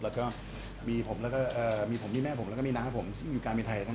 แล้วมีแม่ผมและมีหน้าผมที่อยู่การมีไทยอยู่ค่ะ